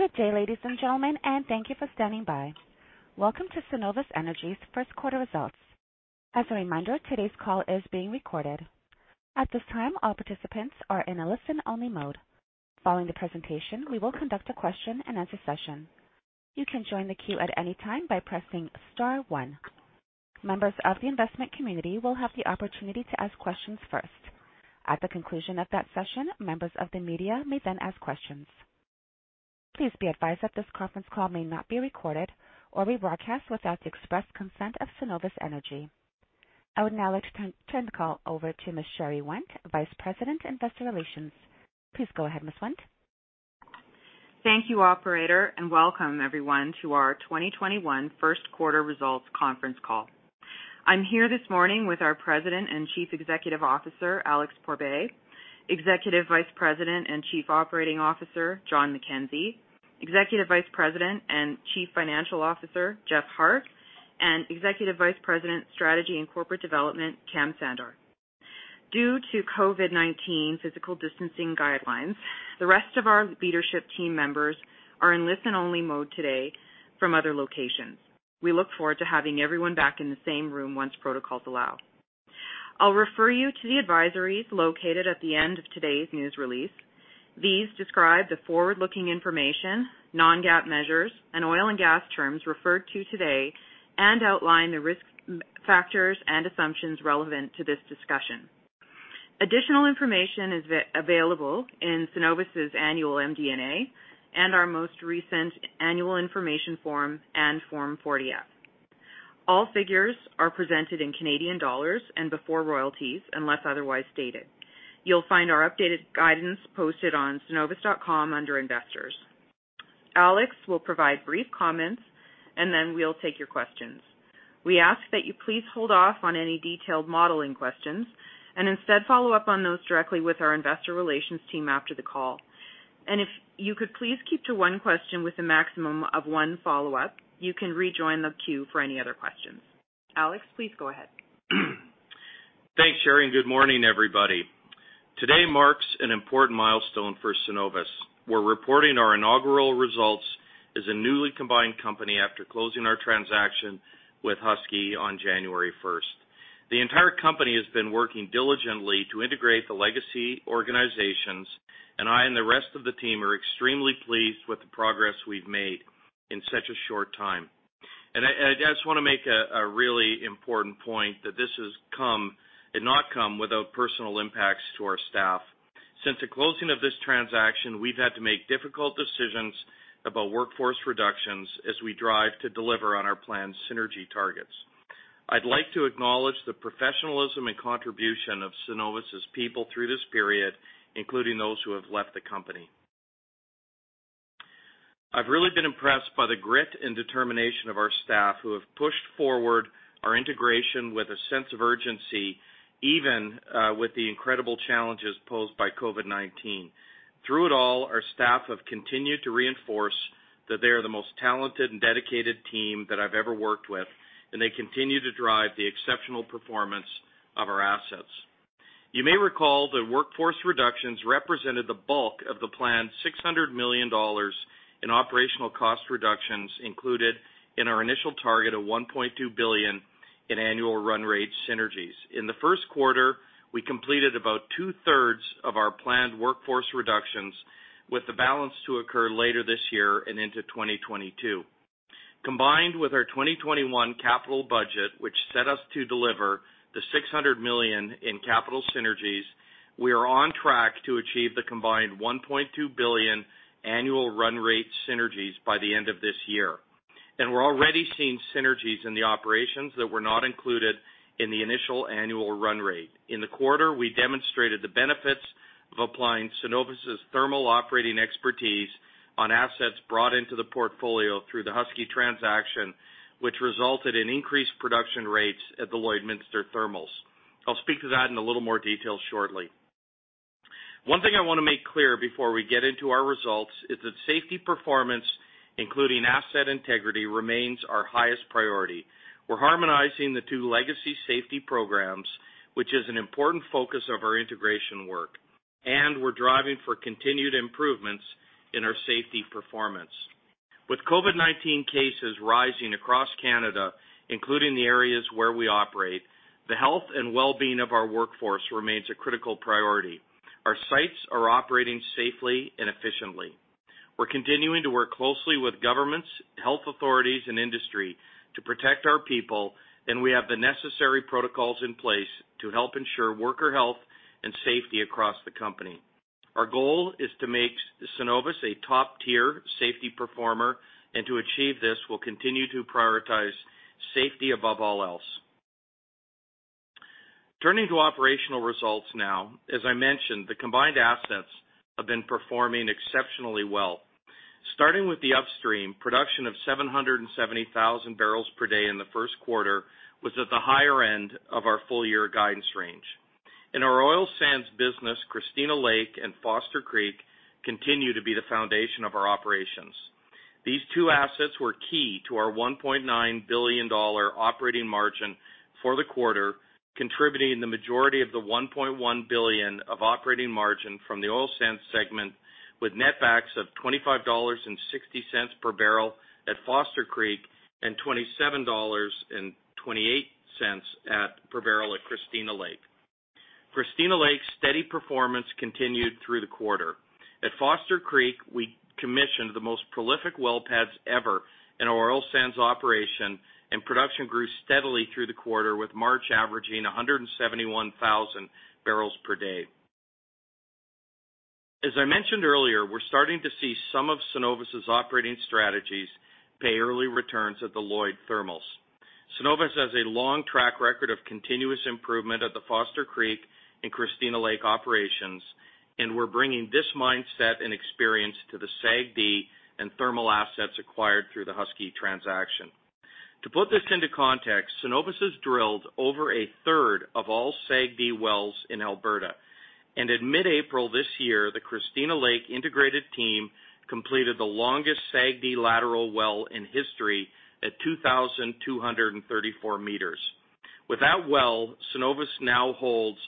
Good day, ladies and gentlemen, and thank you for standing by. Welcome to Cenovus Energy's first quarter results. As a reminder, today's call is being recorded. At this time, all participants are in a listen-only mode. Following the presentation, we will conduct a question-and-answer session. You can join the queue at any time by pressing star one. Members of the investment community will have the opportunity to ask questions first. At the conclusion of that session, members of the media may then ask questions. Please be advised that this conference call may not be recorded or rebroadcast without the express consent of Cenovus Energy. I would now like to turn the call over to Ms. Sherry Wendt, Vice President, Investor Relations. Please go ahead, Ms. Wendt. Thank you, operator, welcome everyone to our 2021 first quarter results conference call. I'm here this morning with our President and Chief Executive Officer, Alex Pourbaix, Executive Vice President and Chief Operating Officer, Jon McKenzie, Executive Vice President and Chief Financial Officer, Jeff Hart, and Executive Vice President, Strategy and Corporate Development, Kam Sandhar. Due to COVID-19 physical distancing guidelines, the rest of our leadership team members are in listen-only mode today from other locations. We look forward to having everyone back in the same room once protocols allow. I'll refer you to the advisories located at the end of today's news release. These describe the forward-looking information, non-GAAP measures, and oil and gas terms referred to today outline the risk factors and assumptions relevant to this discussion. Additional information is available in Cenovus' annual MD&A and our most recent annual information form and Form 40-F. All figures are presented in Canadian dollars and before royalties, unless otherwise stated. You'll find our updated guidance posted on cenovus.com under investors. Alex will provide brief comments, and then we'll take your questions. We ask that you please hold off on any detailed modeling questions and instead follow up on those directly with our investor relations team after the call. If you could please keep to one question with a maximum of one follow-up, you can rejoin the queue for any other questions. Alex, please go ahead. Thanks, Sherry. Good morning, everybody. Today marks an important milestone for Cenovus. We're reporting our inaugural results as a newly combined company after closing our transaction with Husky on January 1st. The entire company has been working diligently to integrate the legacy organizations, and I and the rest of the team are extremely pleased with the progress we've made in such a short time. I just want to make a really important point, that this has not come without personal impacts to our staff. Since the closing of this transaction, we've had to make difficult decisions about workforce reductions as we drive to deliver on our planned synergy targets. I'd like to acknowledge the professionalism and contribution of Cenovus' people through this period, including those who have left the company. I've really been impressed by the grit and determination of our staff, who have pushed forward our integration with a sense of urgency, even with the incredible challenges posed by COVID-19. Through it all, our staff have continued to reinforce that they are the most talented and dedicated team that I've ever worked with, and they continue to drive the exceptional performance of our assets. You may recall that workforce reductions represented the bulk of the planned 600 million dollars in operational cost reductions included in our initial target of 1.2 billion in annual run rate synergies. In the first quarter, we completed about 2/3 of our planned workforce reductions, with the balance to occur later this year and into 2022. Combined with our 2021 capital budget, which set us to deliver the 600 million in capital synergies, we are on track to achieve the combined 1.2 billion annual run rate synergies by the end of this year. We're already seeing synergies in the operations that were not included in the initial annual run rate. In the quarter, we demonstrated the benefits of applying Cenovus' thermal operating expertise on assets brought into the portfolio through the Husky transaction, which resulted in increased production rates at the Lloydminster Thermals. I'll speak to that in a little more detail shortly. One thing I want to make clear before we get into our results is that safety performance, including asset integrity, remains our highest priority. We're harmonizing the two legacy safety programs, which is an important focus of our integration work, and we're driving for continued improvements in our safety performance. With COVID-19 cases rising across Canada, including the areas where we operate, the health and well-being of our workforce remains a critical priority. Our sites are operating safely and efficiently. We're continuing to work closely with governments, health authorities, and industry to protect our people, and we have the necessary protocols in place to help ensure worker health and safety across the company. Our goal is to make Cenovus a top-tier safety performer, and to achieve this, we'll continue to prioritize safety above all else. Turning to operational results now. As I mentioned, the combined assets have been performing exceptionally well. Starting with the upstream, production of 770,000 bpd in the first quarter was at the higher end of our full-year guidance range. In our oil sands business, Christina Lake and Foster Creek continue to be the foundation of our operations. These two assets were key to our 1.9 billion dollar operating margin for the quarter, contributing the majority of the 1.1 billion of operating margin from the oil sands segment, with netbacks of 25.60 dollars per barrel at Foster Creek and 27.28 dollars per barrel at Christina Lake. Christina Lake's steady performance continued through the quarter. At Foster Creek, we commissioned the most prolific well pads ever in our oil sands operation, and production grew steadily through the quarter, with March averaging 171,000 bpd. As I mentioned earlier, we're starting to see some of Cenovus' operating strategies pay early returns at the Lloyd Thermals. Cenovus has a long track record of continuous improvement at the Foster Creek and Christina Lake operations, and we're bringing this mindset and experience to the SAGD and thermal assets acquired through the Husky transaction. To put this into context, Cenovus has drilled over a third of all SAGD wells in Alberta. In mid-April this year, the Christina Lake integrated team completed the longest SAGD lateral well in history at 2,234 meters. With that well, Cenovus now holds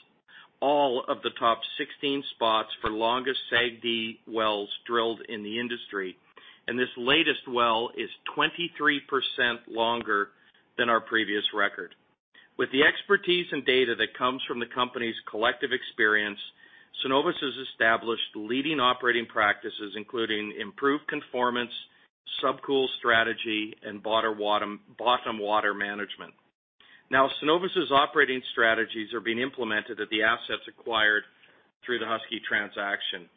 all of the top 16 spots for longest SAGD wells drilled in the industry, and this latest well is 23% longer than our previous record. With the expertise and data that comes from the company's collective experience, Cenovus has established leading operating practices, including improved conformance, subcool strategy, and bottom water management. Now, Cenovus' operating strategies are being implemented at the assets acquired through the Husky transaction.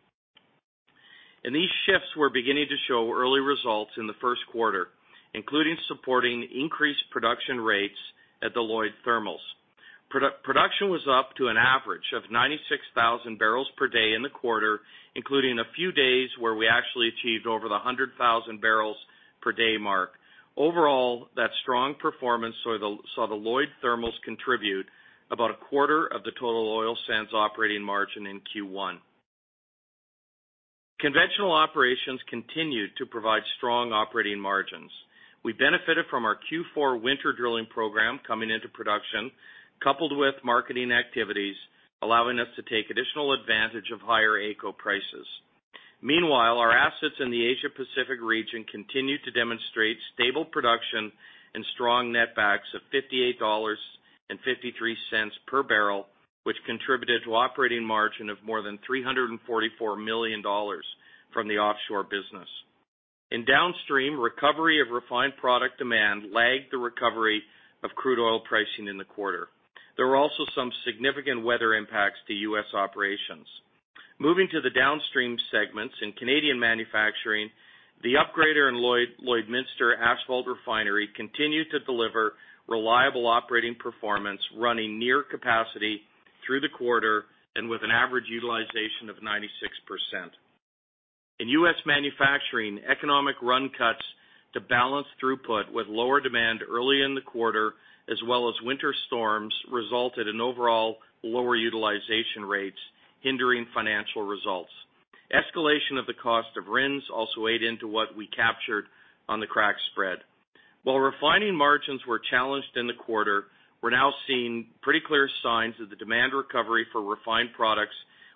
These shifts were beginning to show early results in the first quarter, including supporting increased production rates at the Lloyd Thermals. Production was up to an average of 96,000 bpd in the quarter, including a few days where we actually achieved over the 100,000 bpd mark. Overall, that strong performance saw the Lloyd Thermals contribute about a quarter of the total oil sands operating margin in Q1. Conventional operations continued to provide strong operating margins. We benefited from our Q4 winter drilling program coming into production, coupled with marketing activities, allowing us to take additional advantage of higher AECO prices. Meanwhile, our assets in the Asia Pacific region continued to demonstrate stable production and strong netbacks of 58.53 dollars per barrel, which contributed to operating margin of more than 344 million dollars from the offshore business. In Downstream, recovery of refined product demand lagged the recovery of crude oil pricing in the quarter. There were also some significant weather impacts to U.S. operations. Moving to the Downstream segments, in Canadian Manufacturing, the upgrader in Lloydminster Asphalt Refinery continued to deliver reliable operating performance, running near capacity through the quarter and with an average utilization of 96%. In U.S. Manufacturing, economic run cuts to balance throughput with lower demand early in the quarter, as well as winter storms, resulted in overall lower utilization rates, hindering financial results. Escalation of the cost of RINs also weighed into what we captured on the crack spread. While refining margins were challenged in the quarter, we're now seeing pretty clear signs that the demand recovery for refined products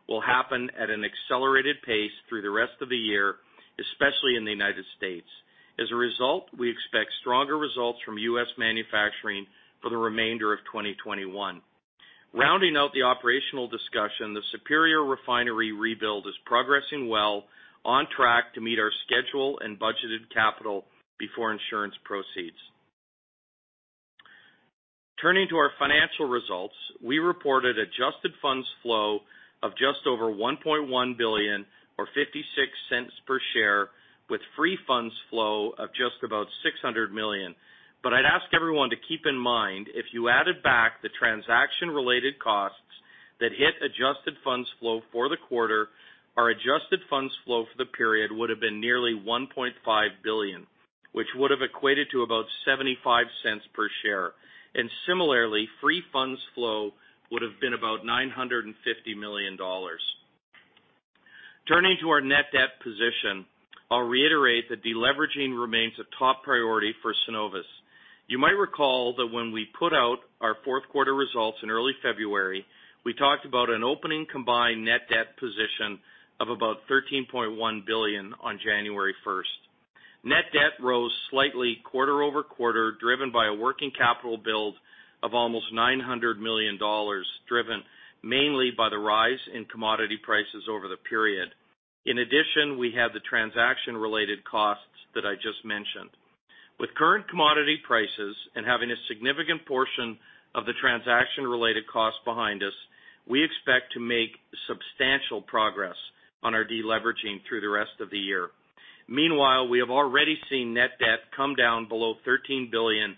will happen at an accelerated pace through the rest of the year, especially in the United States. As a result, we expect stronger results from U.S. manufacturing for the remainder of 2021. Rounding out the operational discussion, the Superior refinery rebuild is progressing well, on track to meet our schedule and budgeted capital before insurance proceeds. Turning to our financial results, we reported adjusted funds flow of just over 1.1 billion, or 0.56 per share, with free funds flow of just about 600 million. I'd ask everyone to keep in mind, if you added back the transaction-related costs that hit adjusted funds flow for the quarter, our adjusted funds flow for the period would've been nearly CAD 1.5 billion, which would have equated to about 0.75 per share. Similarly, free funds flow would've been about CAD 950 million. Turning to our net debt position, I'll reiterate that de-leveraging remains a top priority for Cenovus. You might recall that when we put out our fourth quarter results in early February, we talked about an opening combined net debt position of about 13.1 billion on January 1st. Net debt rose slightly quarter-over-quarter, driven by a working capital build of almost 900 million dollars, driven mainly by the rise in commodity prices over the period. In addition, we have the transaction-related costs that I just mentioned. With current commodity prices and having a significant portion of the transaction-related costs behind us, we expect to make substantial progress on our de-leveraging through the rest of the year. Meanwhile, we have already seen net debt come down below 13 billion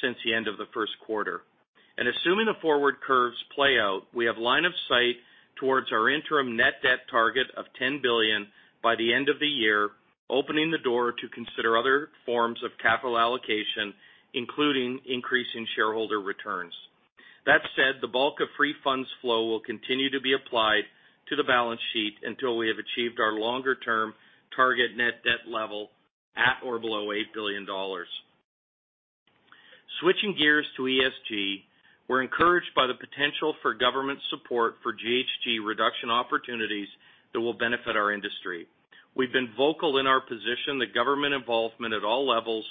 since the end of the first quarter. Assuming the forward curves play out, we have line of sight towards our interim net debt target of CAD 10 billion by the end of the year, opening the door to consider other forms of capital allocation, including increasing shareholder returns. That said, the bulk of free funds flow will continue to be applied to the balance sheet until we have achieved our longer-term target net debt level at or below 8 billion dollars. Switching gears to ESG, we're encouraged by the potential for government support for GHG reduction opportunities that will benefit our industry. We've been vocal in our position that government involvement at all levels,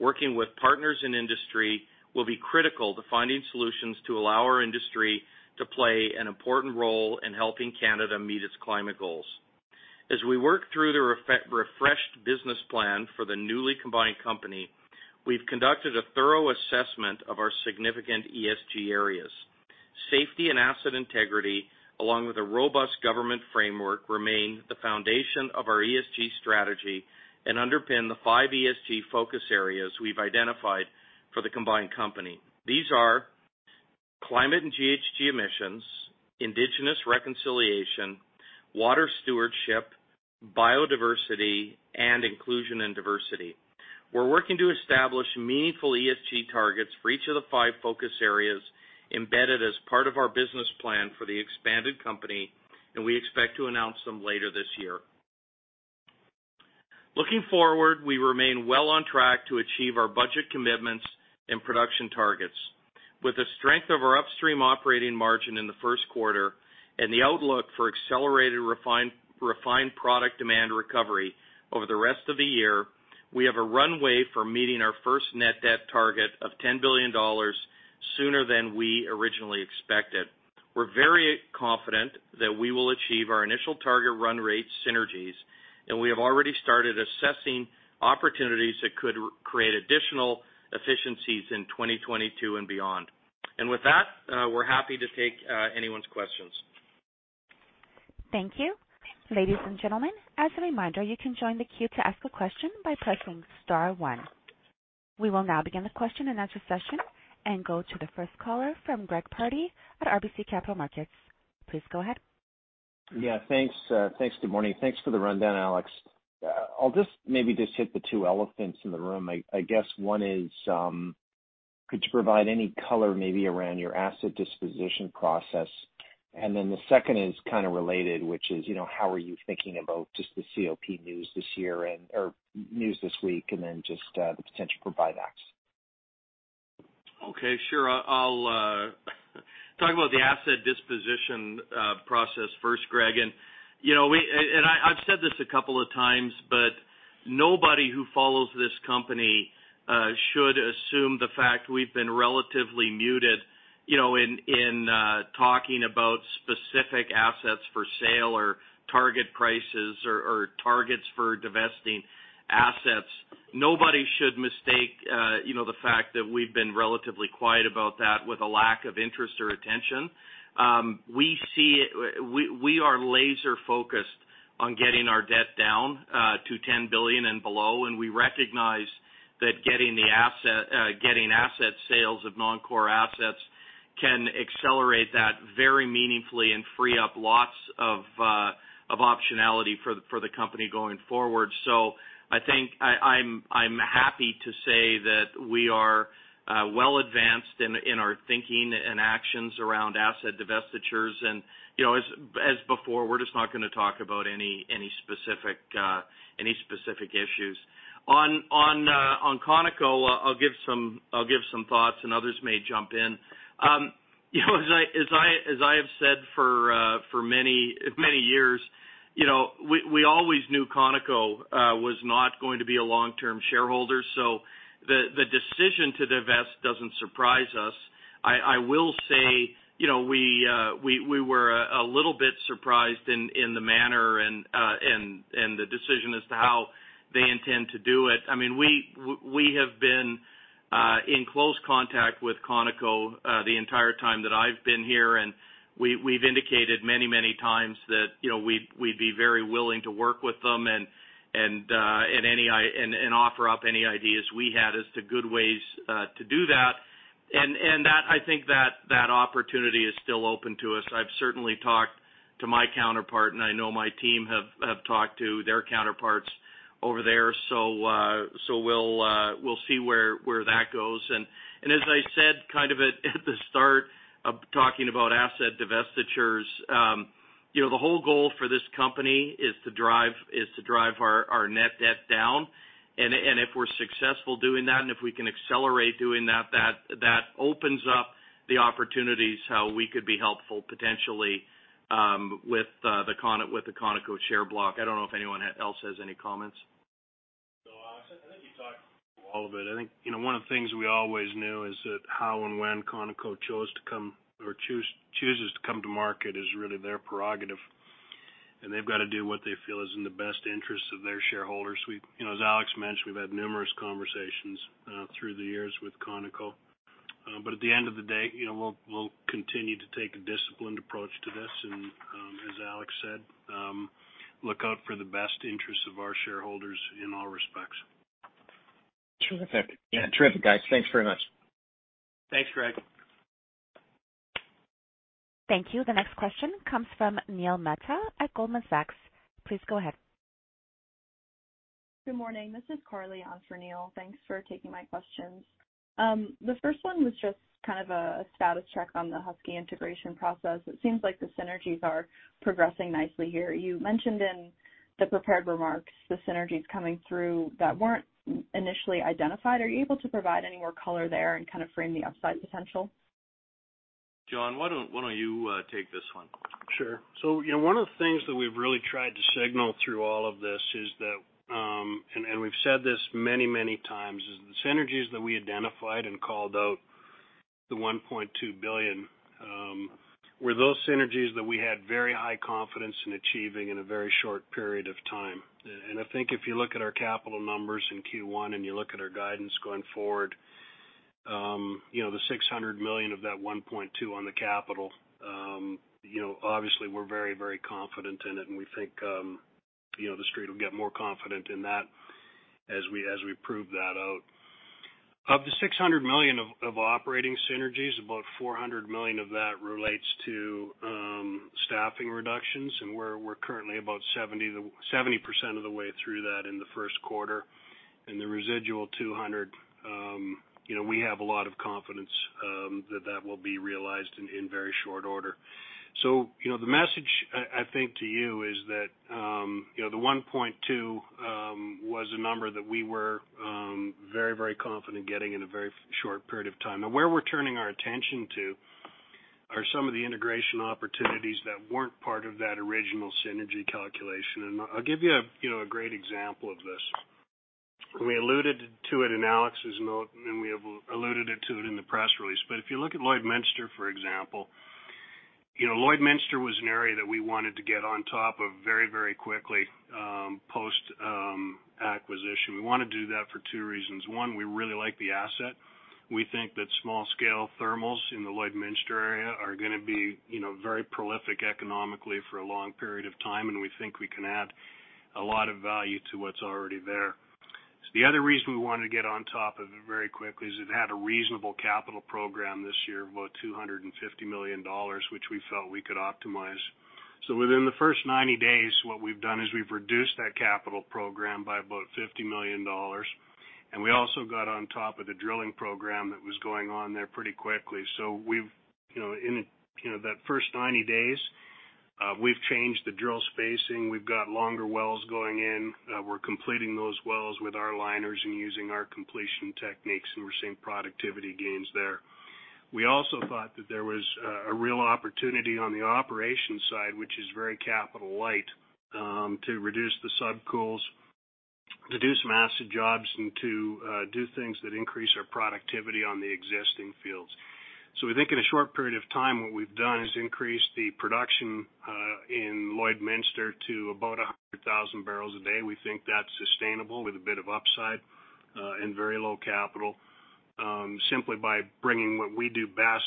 working with partners in industry, will be critical to finding solutions to allow our industry to play an important role in helping Canada meet its climate goals. As we work through the refreshed business plan for the newly combined company, we've conducted a thorough assessment of our significant ESG areas. Safety and asset integrity, along with a robust government framework, remain the foundation of our ESG strategy and underpin the five ESG focus areas we've identified for the combined company. These are climate and GHG emissions, indigenous reconciliation, water stewardship, biodiversity, and inclusion and diversity. We're working to establish meaningful ESG targets for each of the five focus areas embedded as part of our business plan for the expanded company, and we expect to announce them later this year. Looking forward, we remain well on track to achieve our budget commitments and production targets. With the strength of our upstream operating margin in the first quarter and the outlook for accelerated refined product demand recovery over the rest of the year, we have a runway for meeting our first net debt target of 10 billion dollars sooner than we originally expected. We're very confident that we will achieve our initial target run rate synergies. We have already started assessing opportunities that could create additional efficiencies in 2022 and beyond. With that, we're happy to take anyone's questions. Thank you. Ladies and gentlemen, as a reminder, you can join the queue to ask a question by pressing star one. We will now begin the question and answer session and go to the first caller from Greg Pardy at RBC Capital Markets. Please go ahead. Yeah, thanks. Good morning. Thanks for the rundown, Alex. I'll just maybe just hit the two elephants in the room. I guess one is, could you provide any color maybe around your asset disposition process? The second is kind of related, which is, how are you thinking about just the COP news this week and then just the potential for buybacks? Okay, sure. I'll talk about the asset disposition process first, Greg. I've said this a couple of times. Nobody who follows this company should assume the fact we've been relatively muted in talking about specific assets for sale or target prices or targets for divesting assets. Nobody should mistake the fact that we've been relatively quiet about that with a lack of interest or attention. We are laser-focused on getting our debt down to 10 billion and below. We recognize that getting asset sales of non-core assets can accelerate that very meaningfully and free up lots of optionality for the company going forward. I think I'm happy to say that we are well advanced in our thinking and actions around asset divestitures. As before, we're just not going to talk about any specific issues. On ConocoPhillips, I'll give some thoughts and others may jump in. As I have said for many years, we always knew ConocoPhillips was not going to be a long-term shareholder, so the decision to divest doesn't surprise us. I will say, we were a little bit surprised in the manner and the decision as to how they intend to do it. We have been in close contact with ConocoPhillips the entire time that I've been here, and we've indicated many times that we'd be very willing to work with them and offer up any ideas we had as to good ways to do that. I think that opportunity is still open to us. I've certainly talked to my counterpart, and I know my team have talked to their counterparts over there. We'll see where that goes. As I said, kind of at the start of talking about asset divestitures, the whole goal for this company is to drive our net debt down. If we're successful doing that, and if we can accelerate doing that opens up the opportunities how we could be helpful potentially with the ConocoPhillips share block. I don't know if anyone else has any comments. No, Alex, I think you talked through all of it. I think one of the things we always knew is that how and when ConocoPhillips chose to come or chooses to come to market is really their prerogative, and they've got to do what they feel is in the best interest of their shareholders. As Alex mentioned, we've had numerous conversations through the years with ConocoPhillips. At the end of the day, we'll continue to take a disciplined approach to this and, as Alex said, look out for the best interests of our shareholders in all respects. Terrific. Yeah, terrific, guys. Thanks very much. Thanks, Greg. Thank you. The next question comes from Neil Mehta at Goldman Sachs. Please go ahead. Good morning. This is Carly on for Neil. Thanks for taking my questions. The first one was just kind of a status check on the Husky integration process. It seems like the synergies are progressing nicely here. You mentioned in the prepared remarks the synergies coming through that weren't initially identified. Are you able to provide any more color there and kind of frame the upside potential? Jon, why don't you take this one? Sure. One of the things that we've really tried to signal through all of this is that, and we've said this many, many times, is the synergies that we identified and called out, the 1.2 billion, were those synergies that we had very high confidence in achieving in a very short period of time. I think if you look at our capital numbers in Q1 and you look at our guidance going forward, the 600 million of that 1.2 on the capital, obviously we're very, very confident in it and we think The Street will get more confident in that as we prove that out. Of the 600 million of operating synergies, about 400 million of that relates to staffing reductions, and we're currently about 70% of the way through that in the first quarter. The residual 200, we have a lot of confidence that that will be realized in very short order. The message, I think, to you is that the 1.2 was a number that we were very confident getting in a very short period of time. Now, where we're turning our attention to are some of the integration opportunities that weren't part of that original synergy calculation. I'll give you a great example of this. We alluded to it in Alex's note, and we have alluded to it in the press release. If you look at Lloydminster, for example, Lloydminster was an area that we wanted to get on top of very quickly, post acquisition. We want to do that for two reasons. One, we really like the asset. We think that small-scale thermals in the Lloydminster area are going to be very prolific economically for a long period of time, and we think we can add a lot of value to what's already there. The other reason we wanted to get on top of it very quickly is it had a reasonable capital program this year of about 250 million dollars, which we felt we could optimize. Within the first 90 days, what we've done is we've reduced that capital program by about 50 million dollars, and we also got on top of the drilling program that was going on there pretty quickly. In that first 90 days, we've changed the drill spacing, we've got longer wells going in, we're completing those wells with our liners and using our completion techniques, and we're seeing productivity gains there. We also thought that there was a real opportunity on the operations side, which is very capital light, to reduce the subcools, to do some acid jobs, and to do things that increase our productivity on the existing fields. We think in a short period of time, what we've done is increase the production in Lloydminster to about 100,000 bpd. We think that's sustainable with a bit of upside, and very low capital, simply by bringing what we do best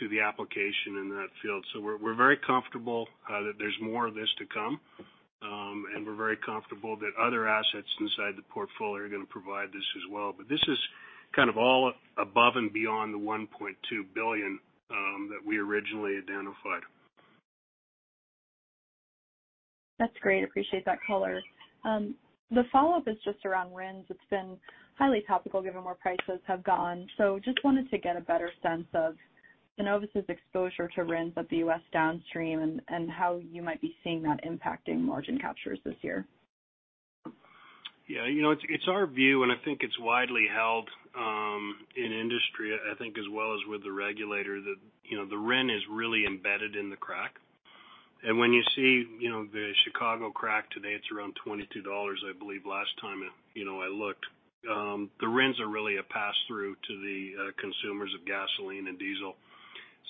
to the application in that field. We're very comfortable that there's more of this to come. We're very comfortable that other assets inside the portfolio are going to provide this as well. This is kind of all above and beyond the 1.2 billion that we originally identified. That's great. Appreciate that color. The follow-up is just around RINs. It's been highly topical given where prices have gone. Just wanted to get a better sense of Cenovus' exposure to RINs at the U.S. downstream and how you might be seeing that impacting margin captures this year? Yeah. It's our view, I think it's widely held in industry, I think as well as with the regulator, that the RIN is really embedded in the crack. When you see the Chicago crack today, it's around 22 dollars, I believe, last time I looked. The RINs are really a pass-through to the consumers of gasoline and diesel.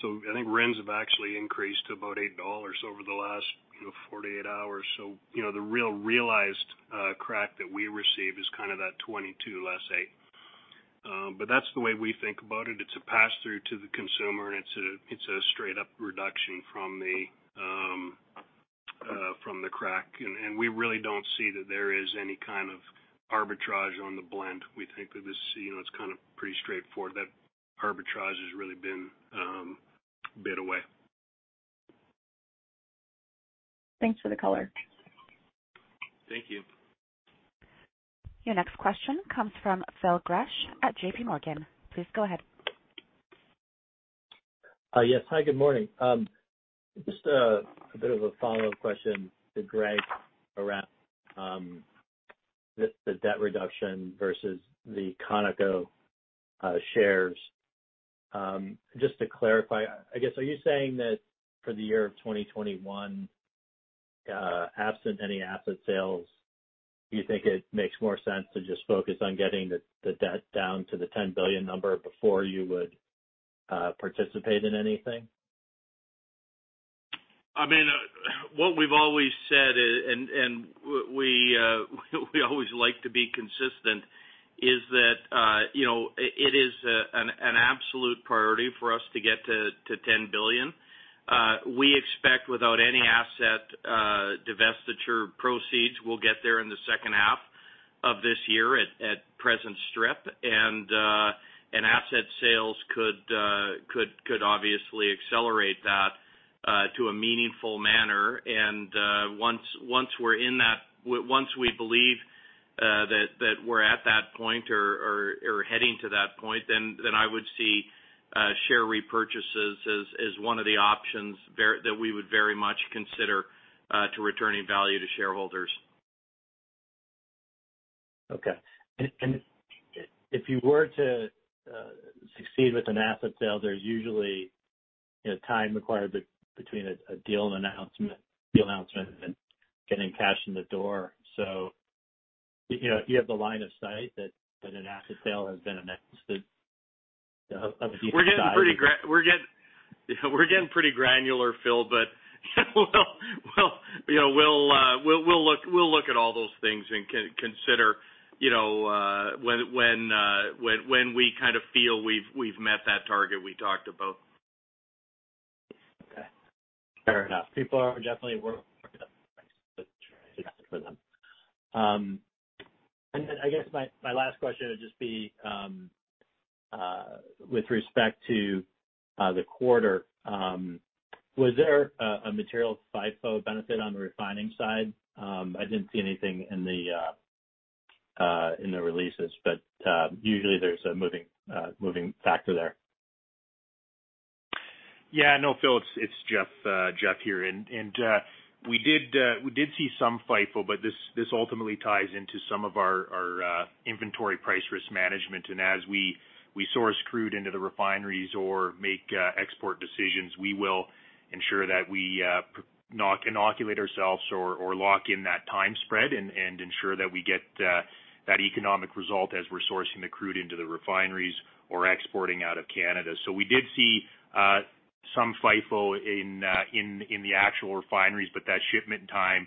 I think RINs have actually increased to about 8 dollars over the last 48 hours. The real realized crack that we receive is kind of that 22 less 8. That's the way we think about it. It's a pass-through to the consumer, it's a straight-up reduction from the crack. We really don't see that there is any kind of arbitrage on the blend. We think that it's kind of pretty straightforward that arbitrage has really been bid away. Thanks for the color. Thank you. Your next question comes from Phil Gresh at JPMorgan. Please go ahead. Yes. Hi, good morning. Just a bit of a follow-up question to Greg around the debt reduction versus the ConocoPhillips shares. Just to clarify, I guess, are you saying that for the year of 2021, absent any asset sales, you think it makes more sense to just focus on getting the debt down to the 10 billion number before you would participate in anything? What we've always said, and we always like to be consistent, is that it is an absolute priority for us to get to 10 billion. We expect without any asset divestiture proceeds, we'll get there in the second half of this year at present strip, asset sales could obviously accelerate that. To a meaningful manner. Once we believe that we're at that point or are heading to that point, then I would see share repurchases as one of the options that we would very much consider to returning value to shareholders. Okay. If you were to succeed with an asset sale, there's usually time required between a deal announcement and getting cash in the door. Do you have the line of sight that an asset sale has been announced of a decent size? We're getting pretty granular, Phil, but we'll look at all those things and consider when we kind of feel we've met that target we talked about. Okay. Fair enough. People are definitely working for them. I guess my last question would just be with respect to the quarter, was there a material FIFO benefit on the refining side? I didn't see anything in the releases, but usually there's a moving factor there. Yeah. No, Phil, it's Jeff here. We did see some FIFO, but this ultimately ties into some of our inventory price risk management. As we source crude into the refineries or make export decisions, we will ensure that we inoculate ourselves or lock in that time spread and ensure that we get that economic result as we're sourcing the crude into the refineries or exporting out of Canada. We did see some FIFO in the actual refineries, but that shipment time,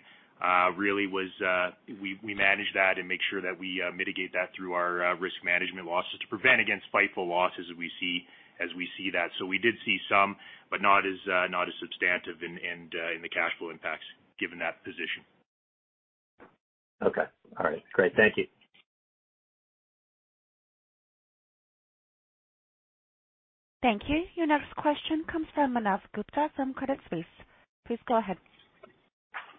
really, we manage that and make sure that we mitigate that through our risk management losses to prevent against FIFO losses as we see that. We did see some, but not as substantive in the cash flow impacts, given that position. Okay. All right. Great. Thank you. Thank you. Your next question comes from Manav Gupta from Credit Suisse. Please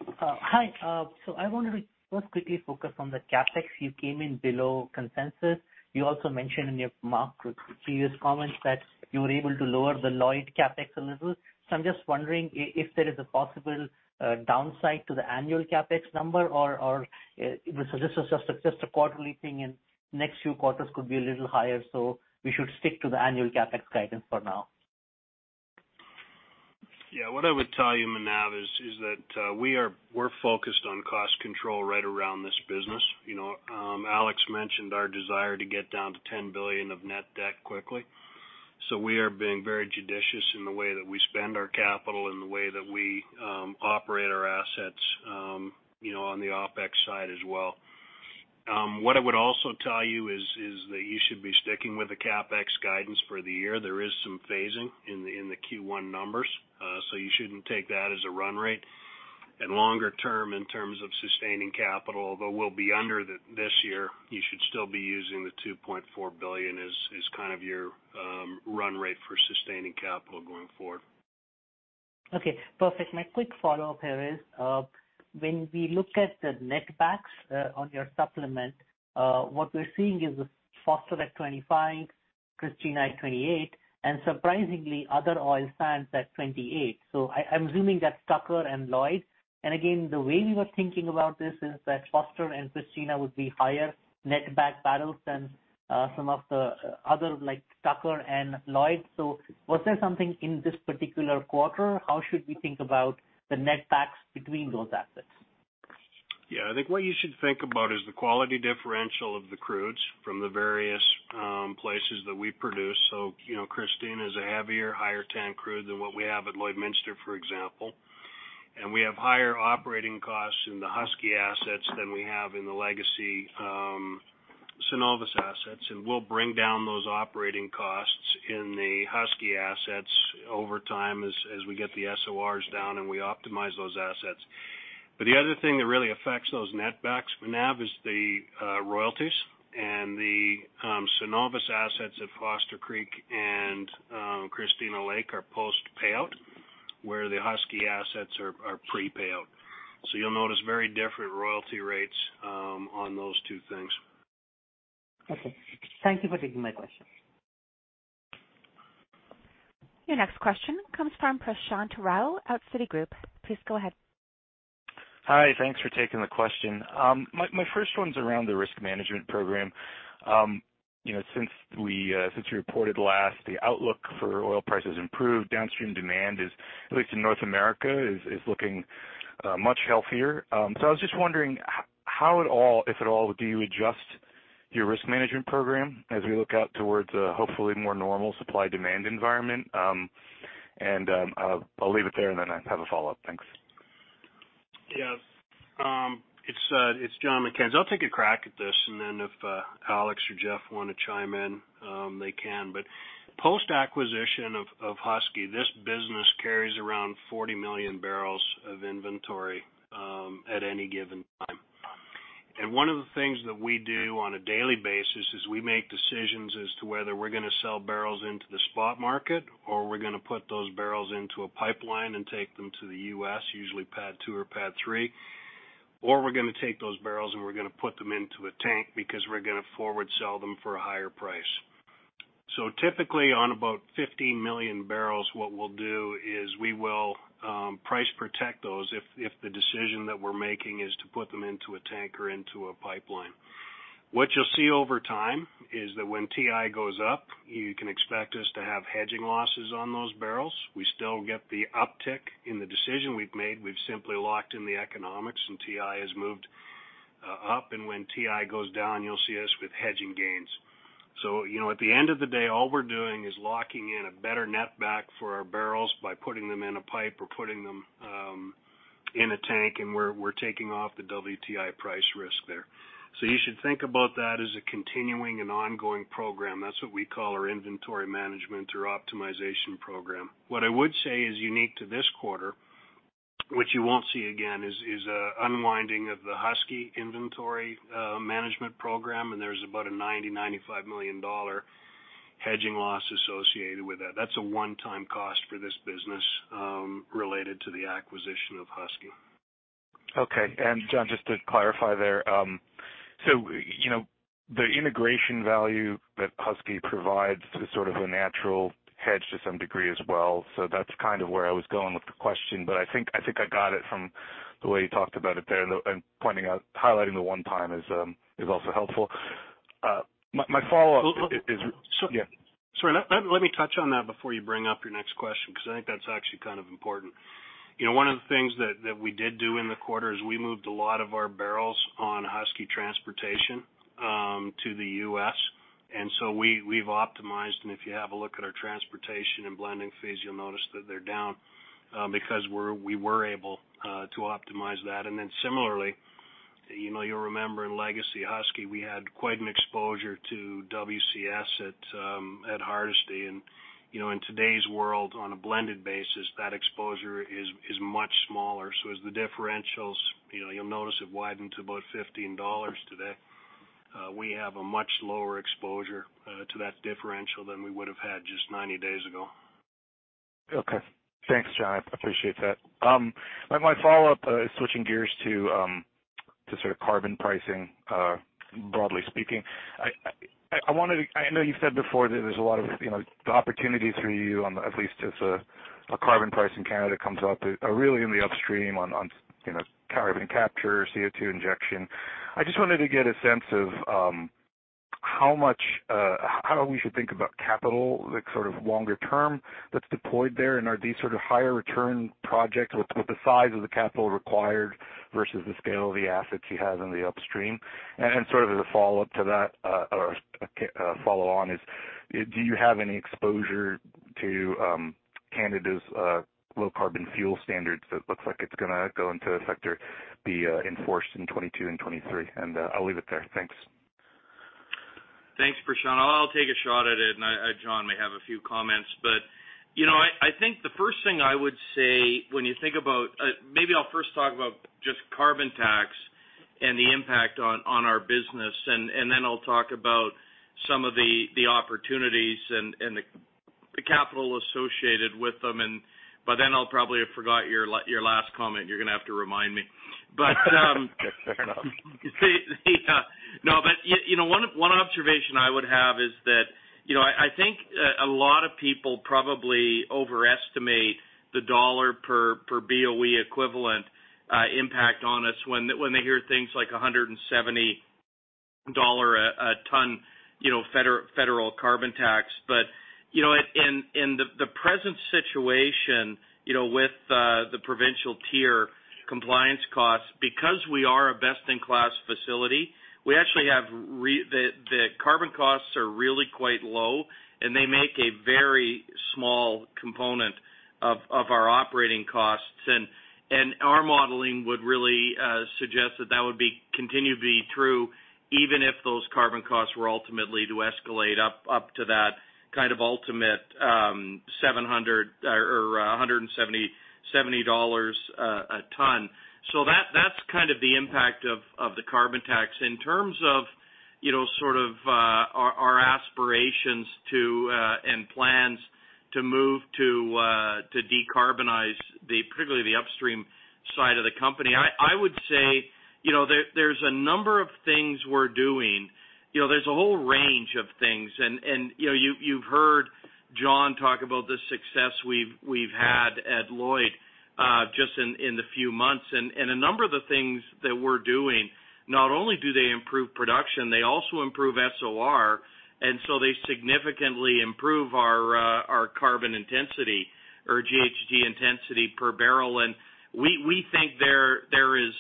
go ahead. Hi. I wanted to first quickly focus on the CapEx. You came in below consensus. You also mentioned in your marked previous comments that you were able to lower the Lloyd CapEx a little. I'm just wondering if there is a possible downside to the annual CapEx number, or this is just a quarterly thing and next few quarters could be a little higher, so we should stick to the annual CapEx guidance for now? I would tell you, Manav, that we're focused on cost control right around this business. Alex mentioned our desire to get down to 10 billion of net debt quickly. We are being very judicious in the way that we spend our capital and the way that we operate our assets on the OpEx side as well. I would also tell you that you should be sticking with the CapEx guidance for the year. There is some phasing in the Q1 numbers. You shouldn't take that as a run rate. Longer term, in terms of sustaining capital, though we'll be under this year, you should still be using the 2.4 billion as kind of your run rate for sustaining capital going forward. Okay, perfect. My quick follow-up here is, when we look at the netbacks on your supplement, what we are seeing is Foster at 25, Christina at 28, and surprisingly, other oil sands at 28. I am assuming that is Tucker and Lloyd. Again, the way we were thinking about this is that Foster and Christina would be higher netback barrels than some of the other, like Tucker and Lloyd. Was there something in this particular quarter? How should we think about the netbacks between those assets? Yeah. I think what you should think about is the quality differential of the crudes from the various places that we produce. Christina is a heavier, higher TAN crude than what we have at Lloydminster, for example. We have higher operating costs in the Husky assets than we have in the legacy Cenovus assets. We'll bring down those operating costs in the Husky assets over time as we get the SORs down and we optimize those assets. The other thing that really affects those netbacks, Manav, is the royalties. The Cenovus assets at Foster Creek and Christina Lake are post-payout, where the Husky assets are pre-payout. You'll notice very different royalty rates on those two things. Okay. Thank you for taking my questions. Your next question comes from Prashant Rao at Citigroup. Please go ahead. Hi. Thanks for taking the question. My first one's around the risk management program. Since we reported last, the outlook for oil prices improved. Downstream demand, at least in North America, is looking much healthier. I was just wondering how at all, if at all, do you adjust your risk management program as we look out towards a, hopefully, more normal supply-demand environment? I'll leave it there, and then I have a follow-up. Thanks. Yeah. It's Jon McKenzie. I'll take a crack at this, and then if Alex or Jeff want to chime in, they can. Post-acquisition of Husky, this business carries around 40 million barrels of inventory at any given time. One of the things that we do on a daily basis is we make decisions as to whether we're going to sell barrels into the spot market, or we're going to put those barrels into a pipeline and take them to the U.S., usually PADD 2 or PADD 3. We're going to take those barrels and we're going to put them into a tank because we're going to forward sell them for a higher price. Typically on about 15 million barrels, what we'll do is we will price protect those if the decision that we're making is to put them into a tank or into a pipeline. What you'll see over time is that when TI goes up, you can expect us to have hedging losses on those barrels. We still get the uptick in the decision we've made. We've simply locked in the economics and TI has moved up, and when TI goes down, you'll see us with hedging gains. At the end of the day, all we're doing is locking in a better net back for our barrels by putting them in a pipe or putting them in a tank, and we're taking off the WTI price risk there. You should think about that as a continuing and ongoing program. That's what we call our inventory management or optimization program. What I would say is unique to this quarter, which you won't see again, is an unwinding of the Husky inventory management program. There's about a 90 million-95 million dollar hedging loss associated with that. That's a one-time cost for this business related to the acquisition of Husky. Okay. Jon, just to clarify there, so the integration value that Husky provides is sort of a natural hedge to some degree as well, so that's kind of where I was going with the question. I think I got it from the way you talked about it there and highlighting the one time is also helpful. My follow-up is. Sorry, let me touch on that before you bring up your next question, because I think that's actually kind of important. One of the things that we did do in the quarter is we moved a lot of our barrels on Husky transportation to the U.S. We've optimized and if you have a look at our transportation and blending fees, you'll notice that they're down because we were able to optimize that. Similarly, you'll remember in Legacy Husky, we had quite an exposure to WCS at Hardisty. In today's world, on a blended basis, that exposure is much smaller. As the differentials, you'll notice, have widened to about 15 dollars today. We have a much lower exposure to that differential than we would have had just 90 days ago. Okay. Thanks, Jon. I appreciate that. My follow-up is switching gears to sort of carbon pricing, broadly speaking. I know you've said before that there's a lot of opportunity for you on, at least as a carbon price in Canada comes up, really in the upstream on carbon capture, CO2 injection. I just wanted to get a sense of how we should think about capital, like sort of longer term, that's deployed there. Are these sort of higher return projects with the size of the capital required versus the scale of the assets you have in the upstream? Sort of as a follow-up to that, or a follow on is, do you have any exposure to Canada Low Carbon Fuel Standard that looks like it's going to go into effect or be enforced in 2022 and 2023? I'll leave it there. Thanks. Thanks, Prashant. I'll take a shot at it, and Jon may have a few comments. I think the first thing I would say. Maybe I'll first talk about just carbon tax and the impact on our business, and then I'll talk about some of the opportunities and the capital associated with them and by then I'll probably have forgot your last comment. You're going to have to remind me. Fair enough. No, one observation I would have is that, I think a lot of people probably overestimate the CAD per BOE equivalent impact on us when they hear things like 170 dollar a ton federal carbon tax. In the present situation with the provincial TIER compliance costs, because we are a best-in-class facility, the carbon costs are really quite low, and they make a very small component of our operating costs. Our modeling would really suggest that that would continue to be true even if those carbon costs were ultimately to escalate up to that kind of ultimate 700 or 170 dollars a ton. That's kind of the impact of the carbon tax. In terms of sort of our aspirations and plans to move to decarbonize particularly the upstream side of the company, I would say there's a number of things we're doing. There's a whole range of things. You've heard Jon talk about the success we've had at Lloyd just in the few months. A number of the things that we're doing, not only do they improve production, they also improve SOR. They significantly improve our carbon intensity or GHG intensity per barrel. We think there is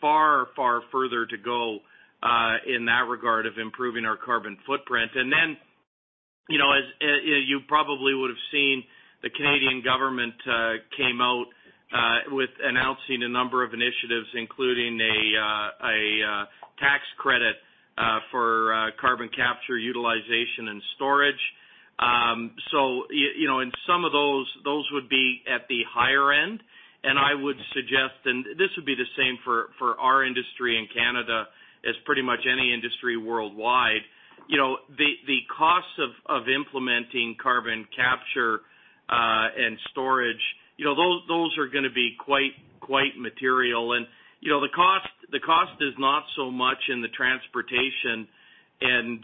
far, far further to go in that regard of improving our carbon footprint. As you probably would have seen, the Canadian government came out with announcing a number of initiatives, including a tax credit Carbon Capture, Utilization, and Storage. In some of those would be at the higher end. I would suggest, and this would be the same for our industry in Canada as pretty much any industry worldwide, the costs of implementing Carbon Capture and Storage, those are going to be quite material. The cost is not so much in the transportation and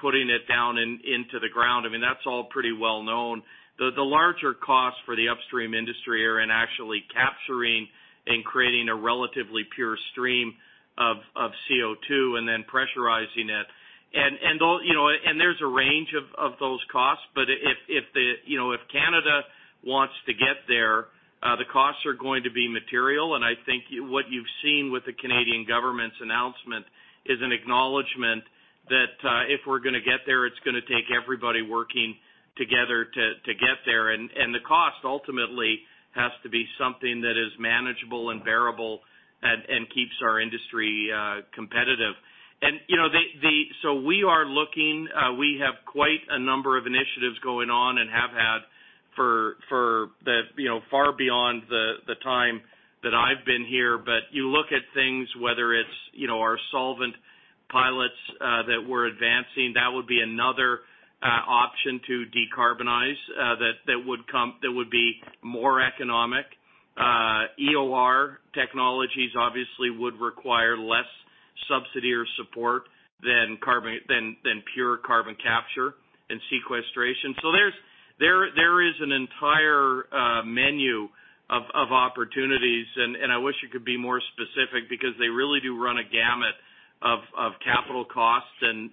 putting it down into the ground. I mean, that's all pretty well known. The larger costs for the upstream industry are in actually capturing and creating a relatively pure stream of CO2, and then pressurizing it. There's a range of those costs. If Canada wants to get there, the costs are going to be material. I think what you've seen with the Canadian government's announcement is an acknowledgment that if we're going to get there, it's going to take everybody working together to get there, and the cost ultimately has to be something that is manageable and bearable and keeps our industry competitive. We are looking. We have quite a number of initiatives going on and have had far beyond the time that I've been here. You look at things, whether it's our solvent pilots that we're advancing, that would be another option to decarbonize that would be more economic. EOR technologies obviously would require less subsidy or support than pure carbon capture and sequestration. There is an entire menu of opportunities, I wish I could be more specific, because they really do run a gamut of capital costs and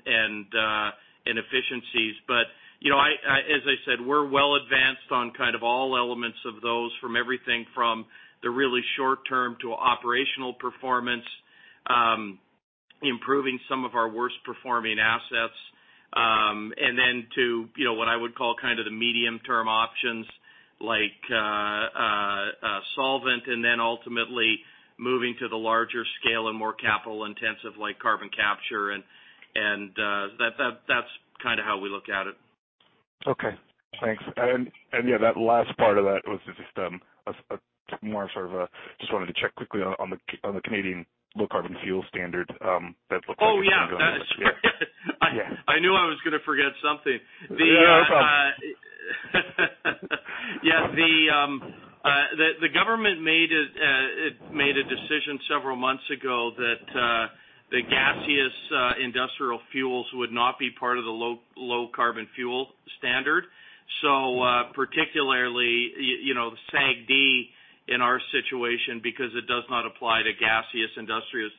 efficiencies. As I said, we're well advanced on kind of all elements of those, from everything from the really short term to operational performance, improving some of our worst-performing assets, and then to what I would call kind of the medium-term options like solvent, and then ultimately moving to the larger scale and more capital intensive, like carbon capture. That's kind of how we look at it. Okay, thanks. Yeah, that last part of that was just wanted to check quickly on the Canadian low carbon fuel standard? Oh, yeah. Yeah. I knew I was going to forget something. Yeah, no problem. Yeah. The government made a decision several months ago that the gaseous industrial fuels would not be part of the Low Carbon Fuel Standard. Particularly, the SAGD in our situation, because it does not apply to gaseous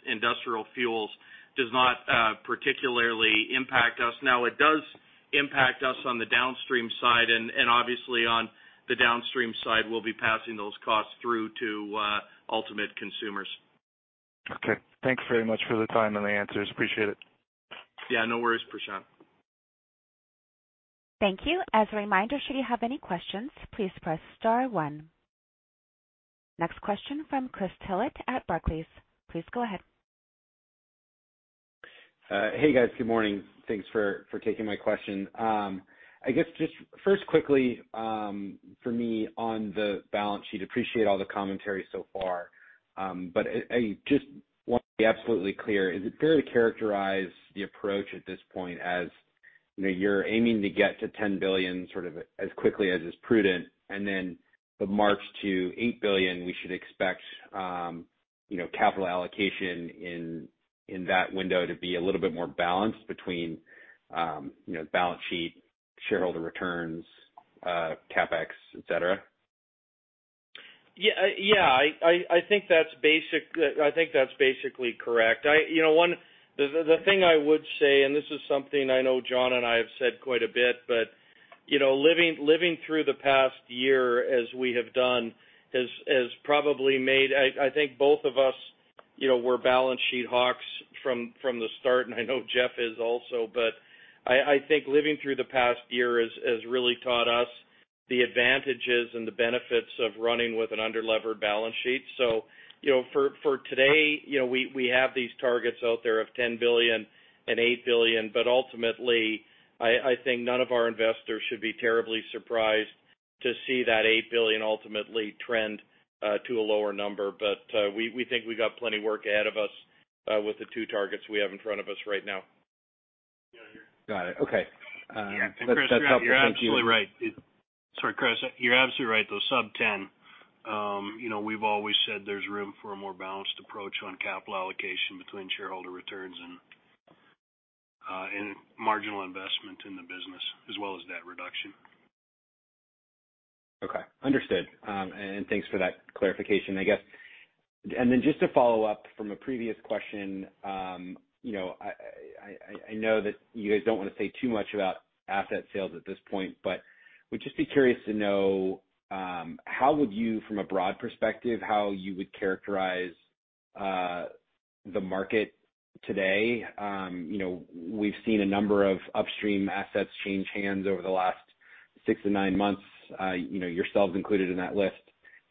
industrial fuels, does not particularly impact us now. It does impact us on the downstream side, and obviously on the downstream side, we'll be passing those costs through to ultimate consumers. Okay. Thank you very much for the time and the answers. Appreciate it. Yeah, no worries, Prashant. Thank you. As a reminder, should you have any questions, please press star one. Next question from Chris Tillett at Barclays. Please go ahead. Hey, guys. Good morning. Thanks for taking my question. I guess just first quickly, for me, on the balance sheet, appreciate all the commentary so far. I just want to be absolutely clear, is it fair to characterize the approach at this point as you're aiming to get to 10 billion sort of as quickly as is prudent, and then the march to 8 billion, we should expect capital allocation in that window to be a little bit more balanced between balance sheet, shareholder returns, CapEx, et cetera? Yeah. I think that's basically correct. The thing I would say, this is something I know Jon and I have said quite a bit, but living through the past year as we have done, I think both of us were balance sheet hawks from the start, and I know Jeff is also. I think living through the past year has really taught us the advantages and the benefits of running with an under-levered balance sheet. For today, we have these targets out there of 10 billion and 8 billion, ultimately, I think none of our investors should be terribly surprised to see that 8 billion ultimately trend to a lower number. We think we've got plenty work ahead of us with the two targets we have in front of us right now. Got it. Okay. Yeah. Chris, you're absolutely right. Sorry, Chris, you're absolutely right, though. Sub 10. We've always said there's room for a more balanced approach on capital allocation between shareholder returns and marginal investment in the business, as well as debt reduction. Okay. Understood. Thanks for that clarification, I guess. Just to follow up from a previous question, I know that you guys don't want to say too much about asset sales at this point, but would just be curious to know, from a broad perspective, how you would characterize the market today? We've seen a number of upstream assets change hands over the last six to nine months, yourselves included in that list.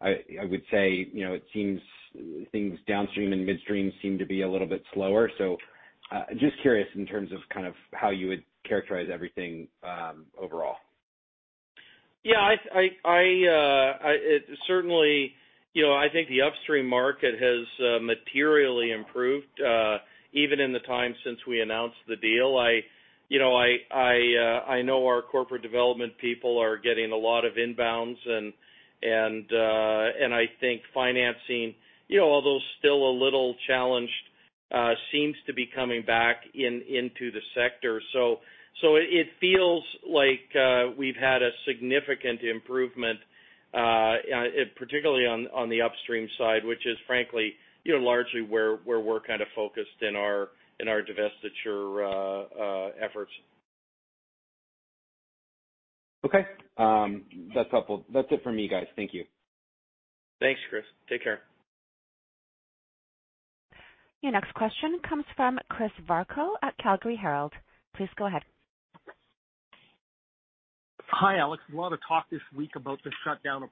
I would say, it seems things downstream and midstream seem to be a little bit slower. Just curious in terms of how you would characterize everything overall? I think the upstream market has materially improved, even in the time since we announced the deal. I know our corporate development people are getting a lot of inbounds, I think financing, although still a little challenged, seems to be coming back into the sector. It feels like we've had a significant improvement, particularly on the upstream side, which is frankly, largely where we're focused in our divestiture efforts. Okay. That's helpful. That's it for me, guys. Thank you. Thanks, Chris. Take care. Your next question comes from Chris Varcoe at Calgary Herald. Please go ahead. Hi, Alex. A lot of talk this week about the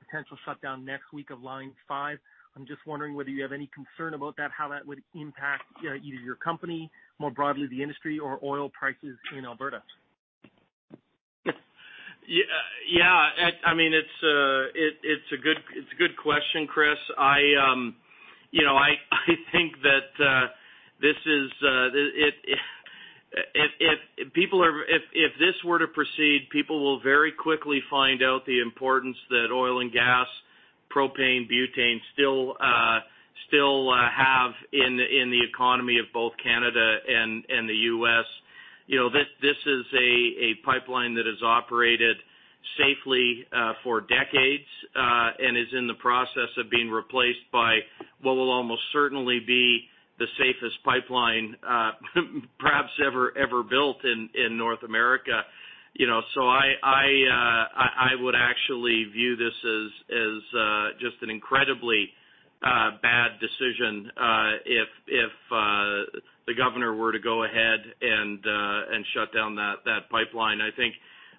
potential shutdown next week of Line 5. I'm just wondering whether you have any concern about that, how that would impact either your company, more broadly the industry, or oil prices in Alberta? Yeah. It's a good question, Chris. I think that if this were to proceed, people will very quickly find out the importance that oil and gas, propane, butane, still have in the economy of both Canada and the U.S. This is a pipeline that has operated safely for decades and is in the process of being replaced by what will almost certainly be the safest pipeline, perhaps ever built in North America. I would actually view this as just an incredibly bad decision, if the Governor were to go ahead and shut down that pipeline. I think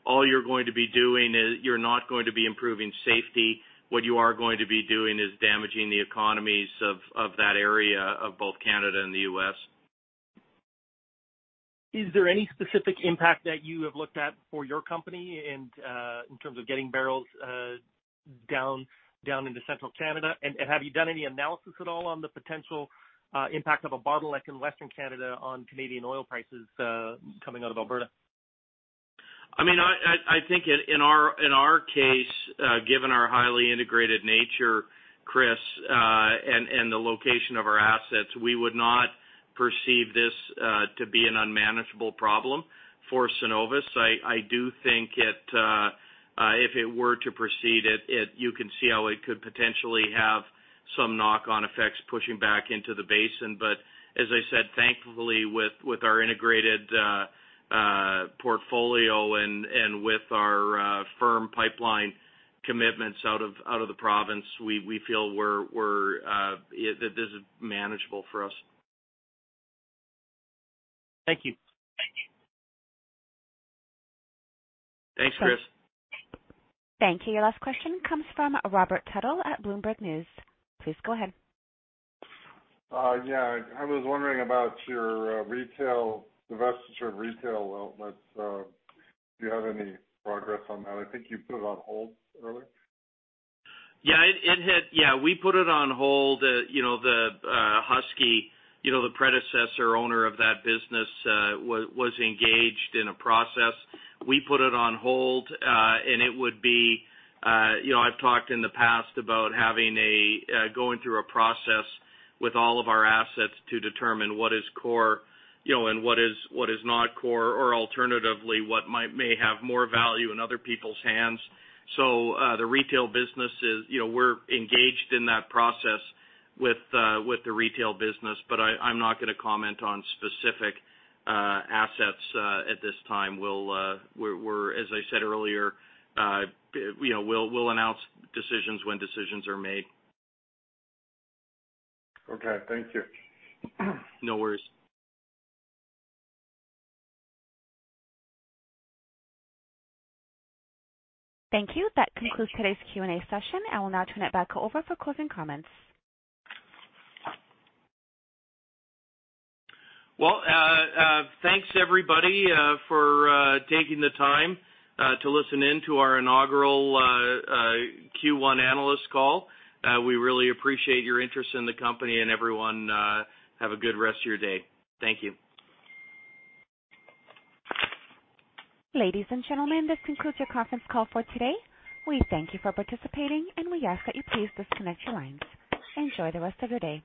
all you're going to be doing is you're not going to be improving safety. What you are going to be doing is damaging the economies of that area of both Canada and the U.S. Is there any specific impact that you have looked at for your company in terms of getting barrels down into Central Canada? Have you done any analysis at all on the potential impact of a bottleneck in Western Canada on Canadian oil prices coming out of Alberta? I think in our case, given our highly integrated nature, Chris, and the location of our assets, we would not perceive this to be an unmanageable problem for Cenovus. I do think if it were to proceed, you can see how it could potentially have some knock-on effects pushing back into the basin. As I said, thankfully, with our integrated portfolio and with our firm pipeline commitments out of the province, we feel that this is manageable for us. Thank you. Thanks, Chris. Thank you. Your last question comes from Robert Tuttle at Bloomberg News. Please go ahead. Yeah. I was wondering about your divestiture of retail outlets. Do you have any progress on that? I think you put it on hold earlier. Yeah. We put it on hold. Husky, the predecessor owner of that business, was engaged in a process. We put it on hold, and I've talked in the past about going through a process with all of our assets to determine what is core and what is not core, or alternatively, what may have more value in other people's hands. We're engaged in that process with the retail business, but I'm not going to comment on specific assets at this time. As I said earlier, we'll announce decisions when decisions are made. Okay. Thank you. No worries. Thank you. That concludes today's Q&A session. I will now turn it back over for closing comments. Well, thanks everybody for taking the time to listen in to our inaugural Q1 analyst call. We really appreciate your interest in the company, and everyone, have a good rest of your day. Thank you. Ladies and gentlemen, this concludes your conference call for today. We thank you for participating, and we ask that you please disconnect your lines. Enjoy the rest of your day.